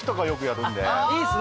いいですね